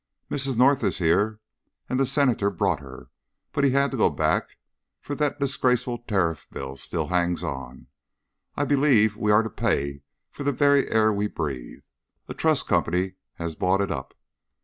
"Mrs. North is here, and the Senator brought her, but he had to go back; for that disgraceful Tariff bill still hangs on. I believe we are to pay for the very air we breathe: a Trust company has bought it up.